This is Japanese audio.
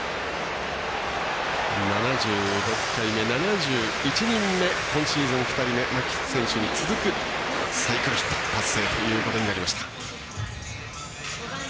７６回目７１人目今シーズン２人目、牧選手に続くサイクルヒット達成ということになりました。